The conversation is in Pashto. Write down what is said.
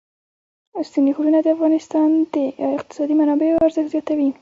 ستوني غرونه د افغانستان د اقتصادي منابعو ارزښت زیاتوي.